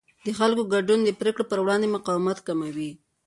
د خلکو ګډون د پرېکړو پر وړاندې مقاومت کموي